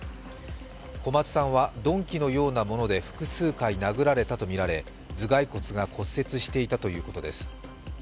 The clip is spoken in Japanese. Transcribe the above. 小松さんは鈍器のようなもので複数回殴られたとみられ頭蓋骨が骨折していたということです。